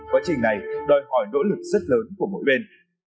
quá trình này đòi hỏi nỗ lực rất lớn của mỗi bên